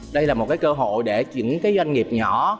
đây là một cơ hội để những doanh nghiệp nhỏ